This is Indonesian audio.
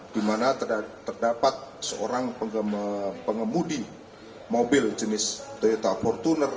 di mana terdapat seorang pengemudi mobil jenis toyota fortuner